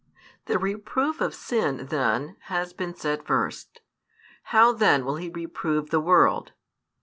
The reproof of sin, then, has been set first. How then will He reprove the world?